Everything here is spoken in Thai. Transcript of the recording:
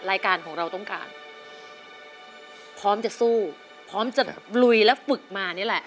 รายการของเราต้องการพร้อมจะสู้พร้อมจะลุยและฝึกมานี่แหละ